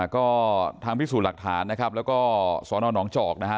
ก็ทางพิสูจน์หลักฐานนะครับแล้วก็สอนอนหนองจอกนะฮะ